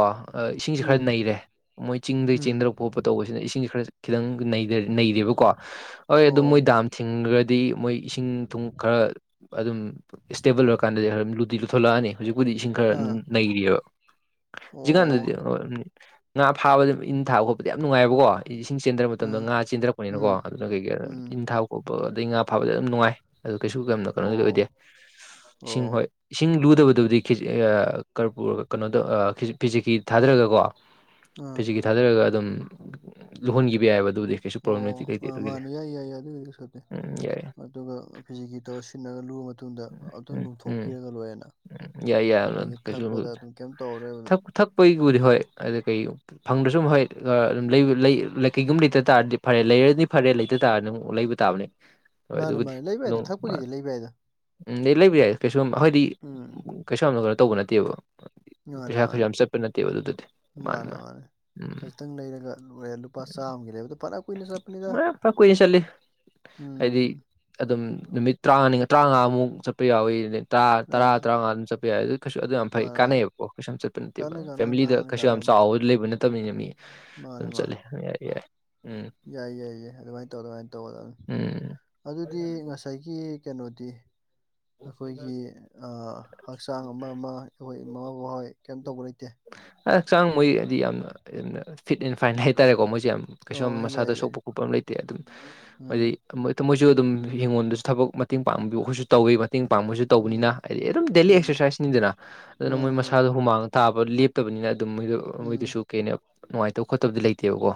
Speaker 2: ꯏꯁꯤꯡꯁ ꯈꯔ
Speaker 1: ꯎꯝ
Speaker 2: ꯅꯩꯔꯦ ꯃꯣꯏ ꯆꯤꯡꯗꯒꯤꯩ
Speaker 1: ꯎꯝ
Speaker 2: ꯆꯦꯟꯗꯔꯛ ꯈꯣꯠꯄ ꯇꯧꯕꯁꯤꯅ ꯏꯁꯤꯡꯁꯦ ꯈꯔ ꯈꯤꯇꯪ ꯅꯩꯔꯦꯕꯀꯣ ꯍꯣꯏ
Speaker 1: ꯑꯣ
Speaker 2: ꯑꯗꯨꯝ ꯃꯣꯏ ꯗꯥꯝ ꯊꯤꯡꯈꯒꯗꯤ ꯃꯣꯏ ꯏꯁꯤꯡ ꯊꯨꯝ ꯈꯔ ꯑꯗꯨꯝ ꯏꯁꯇꯦꯕꯜ ꯑꯣꯏꯔ ꯀꯥꯟꯗꯗꯤ ꯗꯤ ꯂꯨꯊꯠꯂꯛꯑꯅꯤ ꯍꯧꯖꯤꯛꯄꯨꯗꯤ ꯏꯁꯤꯡ ꯈꯔ
Speaker 1: ꯑꯥ
Speaker 2: ꯅꯩꯔꯤꯑꯕ
Speaker 1: ꯑꯣ
Speaker 2: ꯍꯧꯖꯤꯛꯀꯥꯟꯗꯗꯤ ꯉꯥ ꯐꯥꯕꯗ ꯏꯟ ꯊꯥꯕ ꯈꯣꯠꯄꯗꯤ ꯌꯥꯝ ꯅꯨꯡꯉꯥꯏꯕꯀꯣ ꯏꯁꯤꯡ ꯆꯦꯟꯗꯔ ꯃꯇꯝꯗ
Speaker 1: ꯑꯥ
Speaker 2: ꯉꯥ ꯆꯦꯟꯊꯔꯛꯄꯅꯤꯅꯀꯣ
Speaker 1: ꯎꯝ
Speaker 2: ꯑꯗꯨꯅ ꯀꯩ ꯀꯩ
Speaker 1: ꯎꯝ
Speaker 2: ꯏꯟ ꯊꯥꯕ ꯈꯣꯠꯄ ꯑꯗꯩ ꯉꯥ ꯐꯥꯕꯗ ꯑꯗꯨꯝ ꯅꯨꯡꯉꯥꯏ ꯑꯗꯨ ꯀꯩꯁꯨ ꯀꯝꯅ
Speaker 1: ꯑꯣ
Speaker 2: ꯀꯩꯅꯣꯗꯤ ꯑꯣꯏꯗꯦ ꯏꯁꯤꯡ
Speaker 1: ꯑꯣ
Speaker 2: ꯍꯣꯏ ꯏꯁꯤꯡ ꯂꯨꯗꯕꯗꯨꯕꯨꯗꯤ ꯀꯩꯅꯣꯗ ꯐꯤꯖꯤꯦꯀꯤ ꯊꯥꯗꯔꯒ ꯀꯣ
Speaker 1: ꯑꯥ
Speaker 2: ꯐꯤꯖꯤꯀꯤ ꯊꯥꯗꯔꯒ ꯑꯗꯨꯝ ꯂꯨꯍꯟꯈꯤꯕ ꯌꯥꯏꯑꯕ ꯑꯗꯨꯗꯤ
Speaker 1: ꯑꯣ ꯃꯥꯅꯦ ꯌꯥꯏ ꯌꯥꯏ ꯑꯗꯨ ꯑꯣꯏꯔ ꯁꯠꯇꯦ
Speaker 2: ꯎꯝ ꯌꯥꯏ
Speaker 1: ꯑꯗꯨꯒ ꯐꯤꯖꯤꯀꯤ ꯇꯧꯔ ꯁꯤꯟꯅꯒ ꯂꯨꯕ ꯃꯇꯨꯡꯗ ꯑꯃꯇꯪ
Speaker 2: ꯎꯝ ꯎꯝ
Speaker 1: ꯂꯣꯡꯊꯣꯛꯄꯤꯔꯒ ꯂꯣꯏꯔꯅ
Speaker 2: ꯌꯥꯏ ꯌꯥꯏ
Speaker 1: ꯑꯗꯒꯤ
Speaker 2: ꯀꯩꯁꯨ
Speaker 1: ꯊꯛꯄꯗ ꯑꯗꯨꯝ ꯀꯩꯝ ꯇꯧꯔꯣꯏꯕꯅꯣ
Speaker 2: ꯊꯛ ꯊꯛꯄꯒꯤꯕꯨꯗꯤ ꯍꯣꯏ ꯑꯗꯨꯗꯤ ꯀꯩꯨꯝ ꯐꯪꯗ꯭ꯔꯁꯨ ꯍꯣꯏ ꯑꯗꯨꯝ ꯀꯩꯒꯨꯝꯕ ꯂꯩꯇ ꯇꯥꯔꯗꯤ ꯐꯔꯦ ꯂꯩꯔꯗꯤ ꯐꯔꯦ ꯂꯩꯇ ꯇꯥꯔꯗꯤ ꯑꯃꯨꯛ ꯂꯩꯕ ꯇꯥꯕꯅꯦ [UNINTELLIGIBLE]
Speaker 1: ꯃꯥꯅꯦ ꯃꯥꯅꯦ ꯂꯩꯕ ꯍꯥꯏꯗꯣ ꯊꯛꯄꯒꯤꯗꯤ ꯂꯩꯕ ꯍꯥꯏꯗꯣ
Speaker 2: ꯎꯝꯗ ꯂꯩꯕ ꯌꯥꯏ ꯀꯩꯁꯨꯝ ꯑꯩꯈꯣꯏꯗꯤ
Speaker 1: ꯎꯝ
Speaker 2: ꯀꯩꯁꯨ ꯌꯥꯝꯅ ꯀꯩꯅꯣ ꯇꯧꯕ ꯅꯠꯇꯦꯕ ꯄꯩꯁꯥ
Speaker 1: ꯃꯥꯅꯦ
Speaker 2: ꯈꯔꯁꯨ
Speaker 1: ꯃꯥꯅꯦ
Speaker 2: ꯌꯥꯝ ꯆꯠꯄ ꯅꯠꯇꯦꯕ ꯑꯗꯨꯗꯗꯤ
Speaker 1: ꯃꯥꯅꯦ
Speaker 2: ꯃꯥꯥꯟꯕ
Speaker 1: ꯃꯥꯅꯦ
Speaker 2: ꯃꯥ
Speaker 1: ꯈꯖꯤꯛꯇꯪ ꯂꯩꯔꯒ ꯂ ꯂꯨꯄꯥ ꯆꯥꯝꯃ ꯂꯩꯕꯗꯣ ꯄꯔꯥ ꯀꯨꯏꯅ ꯆꯠꯄꯅꯤꯗ
Speaker 2: ꯄ ꯀꯣꯏꯅ ꯆꯦ
Speaker 1: ꯎꯝ
Speaker 2: ꯑꯗꯨꯝ ꯅꯨꯃꯤꯠ ꯇꯔꯥꯃꯅꯤ ꯇꯔꯥꯉꯥꯃꯨꯛ ꯆꯠꯄ ꯌꯥꯎꯋꯤꯠ ꯇꯔꯥ ꯇꯔꯥ
Speaker 1: ꯑꯥ
Speaker 2: ꯇꯔꯥꯃꯉꯥ ꯑꯗꯨꯝ ꯆꯠꯄ ꯌꯥꯏ ꯑꯗꯨ ꯀꯩꯁꯨ ꯑꯗꯨꯝ ꯌꯥꯝ
Speaker 1: ꯃꯥ
Speaker 2: ꯐꯩ ꯀꯥꯟꯅꯩꯌꯦꯕꯣ ꯀꯩꯁꯨ ꯌꯥꯝ ꯆꯠꯄ ꯅꯠꯇꯦꯕ
Speaker 1: ꯀꯥꯟꯅꯩ ꯀꯥꯟꯅꯕꯅꯤ
Speaker 2: ꯐꯦꯃꯤꯂꯤꯗ
Speaker 1: ꯀꯥꯟꯅꯕꯅꯤ
Speaker 2: ꯀꯩꯁꯨ ꯌꯥꯝ
Speaker 1: ꯀꯥꯟꯅꯕꯅꯤ
Speaker 2: ꯆꯥꯎꯋ ꯂꯩꯕ ꯅꯠꯇꯕꯅꯤꯅ ꯃꯤ
Speaker 1: ꯃꯥꯅꯦ
Speaker 2: ꯑꯗꯨꯝ
Speaker 1: ꯃꯥꯅꯦ
Speaker 2: ꯆꯠꯂꯦ ꯌꯥꯏ ꯌꯥꯏ ꯎꯝ
Speaker 1: ꯌꯥꯏ ꯌꯥꯏ ꯌꯥꯏ ꯑꯗꯨꯃꯥꯏꯅ ꯇꯧ ꯑꯗꯨꯃꯥꯏꯅ ꯇꯧꯔ ꯑꯗꯨꯝ
Speaker 2: ꯎꯝ
Speaker 1: ꯑꯗꯨꯗꯤ ꯉꯁꯥꯏꯒꯤ ꯀꯩꯅꯣꯗꯤ ꯑꯩꯈꯣꯏꯒꯤ ꯍꯛꯆꯥꯡ ꯑꯃ ꯑꯃ ꯏꯍꯣꯏ ꯏꯃꯥ ꯕꯍꯣꯏ ꯀꯩꯝ ꯇꯧꯕ ꯂꯩꯇꯦ
Speaker 2: ꯍꯛꯆꯥꯡ ꯃꯣꯏ ꯍꯥꯏꯗꯤ ꯌꯥꯝꯅ ꯌꯥꯝꯅ ꯐꯤꯠ ꯑꯦꯟ ꯐꯥꯏꯟ ꯍꯥꯏꯇꯥꯔꯦꯀꯣ ꯃꯣꯏꯁꯦ ꯌꯥꯝ ꯀꯩꯁꯨ
Speaker 1: ꯑꯣ
Speaker 2: ꯃꯁꯥꯗ
Speaker 1: ꯌꯥꯏ ꯌꯥꯏ
Speaker 2: ꯁꯣꯛꯄ ꯈꯣꯠꯄ ꯑꯃ ꯂꯩꯇꯦ ꯑꯗꯨꯝ
Speaker 1: ꯎꯝ
Speaker 2: ꯍꯥꯏꯗꯤ ꯃꯣꯏꯁꯨ ꯑꯗꯨꯝ ꯍꯡꯉꯣꯟꯗꯁꯨ ꯊꯕꯛ ꯃꯇꯦꯡ ꯄꯥꯡꯕꯤꯕ ꯑꯩꯈꯣꯏꯁꯨ ꯇꯧꯋꯤ ꯃꯇꯦꯡ ꯄꯥꯡꯕꯁꯨ
Speaker 1: ꯎꯝ
Speaker 2: ꯇꯧꯕꯅꯤꯅ ꯍꯥꯏꯗꯤ ꯑꯗꯨꯝ ꯗꯦꯂꯤ
Speaker 1: ꯎꯝ
Speaker 2: ꯑꯦꯛꯁꯔꯁꯥꯏꯁꯅꯤꯗꯅ ꯑꯗꯨꯅ ꯃꯣꯏ
Speaker 1: ꯃꯥꯅꯦ ꯃꯥꯅꯦ
Speaker 2: ꯃꯁꯥꯗꯣ ꯍꯨꯃꯥꯡꯉ ꯇꯥꯕ ꯂꯦꯞꯇꯕꯅꯤꯅ ꯑꯗꯨꯝ ꯃꯣꯏꯗ
Speaker 1: ꯎꯝ
Speaker 2: ꯃꯣꯏꯗꯨꯁꯨ ꯀꯩꯩꯅ ꯅꯨꯡꯉꯥꯏꯇꯕ ꯈꯣꯠꯇꯕꯗꯤ ꯂꯩꯇꯦ ꯅꯠꯇꯦꯕꯀꯣ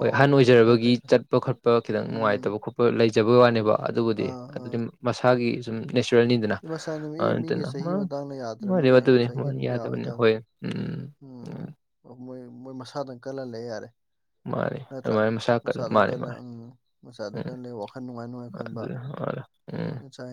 Speaker 2: ꯍꯣꯏ ꯑꯍꯟ
Speaker 1: ꯐꯩ
Speaker 2: ꯑꯣꯏꯖꯔꯕꯒꯤ
Speaker 1: ꯐꯩ ꯐꯩ
Speaker 2: ꯆꯠꯄ ꯈꯣꯠꯄ ꯈꯤꯇꯪ
Speaker 1: ꯎꯝ
Speaker 2: ꯅꯨꯡꯉꯥꯏꯇꯕ ꯈꯣꯄ ꯂꯩꯖꯕꯩ ꯋꯥꯅꯦꯕ ꯑꯗꯨꯕꯨꯗꯤ
Speaker 1: ꯑꯥ
Speaker 2: ꯑꯗꯨꯗꯤ
Speaker 1: ꯑꯥ
Speaker 2: ꯃꯁꯥꯒꯤ ꯁꯨꯝ ꯅꯦꯆꯔꯦꯜꯅꯤꯗꯅ
Speaker 1: ꯃꯁꯥꯅ
Speaker 2: ꯑꯗꯨ
Speaker 1: ꯑꯦ ꯃꯤꯒꯤ
Speaker 2: ꯅꯠꯇꯅ
Speaker 1: ꯆꯍꯤ ꯃꯇꯥꯡꯅ ꯌꯥꯗ꯭ꯔꯕꯅꯤꯅ
Speaker 2: ꯃꯥꯅꯤꯕꯅꯤ
Speaker 1: ꯉꯁꯥꯏꯒꯤ
Speaker 2: ꯃꯥꯅꯤ
Speaker 1: ꯑꯗꯨꯝ
Speaker 2: ꯌꯥꯗꯕꯅꯤ
Speaker 1: ꯌꯥꯔꯣꯏꯗꯕꯅꯤ
Speaker 2: ꯍꯣꯏ ꯎꯝ ꯎꯝ
Speaker 1: ꯎꯝ ꯃꯣꯏ ꯃꯣꯏ ꯃꯁꯥꯗꯪ ꯀꯜꯍꯜꯂꯦ ꯌꯥꯔꯦ
Speaker 2: ꯃꯥꯅꯤ
Speaker 1: ꯅꯠꯇ꯭ꯔꯥ
Speaker 2: ꯑꯗꯨꯃꯥꯏꯅ ꯃꯁꯥ ꯀꯜꯂ
Speaker 1: ꯃꯁꯥꯗ
Speaker 2: ꯃꯥꯅꯤ
Speaker 1: ꯀꯟꯅ
Speaker 2: ꯃꯥꯅꯤ
Speaker 1: ꯃꯁꯥꯗ
Speaker 2: ꯎꯝ
Speaker 1: ꯀꯟꯅ ꯂꯩ ꯋꯥꯈꯜ ꯅꯨꯡꯉꯥꯏꯅꯅꯨꯡꯉꯥꯏ ꯈꯟꯕ
Speaker 2: ꯑꯗꯨ ꯎꯝ
Speaker 1: ꯎꯥꯏ